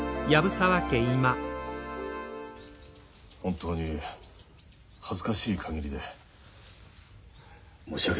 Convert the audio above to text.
本当に恥ずかしい限りで申し訳なく思っております。